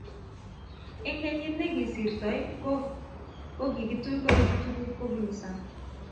eng' kenyit ne kosirto ko kokitur koibu tuguk kobunu sang'